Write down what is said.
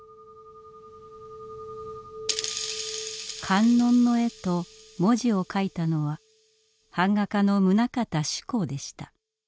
観音の絵と文字を書いたのは版画家の棟方志功でした。